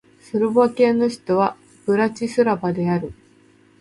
スロバキアの首都はブラチスラバである